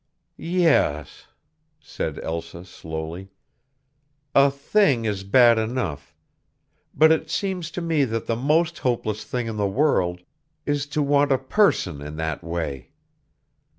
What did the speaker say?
"Yes," said Elsa slowly, "a thing is bad enough; but it seems to me that the most hopeless thing in the world is to want a person in that way."